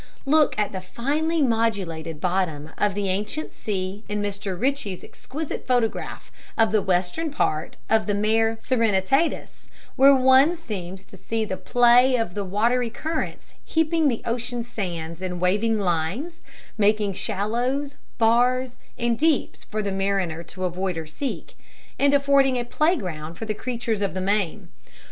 Look at the finely modulated bottom of the ancient sea in Mr Ritchey's exquisite photograph of the western part of the Mare Serenitatis, where one seems to see the play of the watery currents heaping the ocean sands in waving lines, making shallows, bars, and deeps for the mariner to avoid or seek, and affording a playground for the creatures of the main.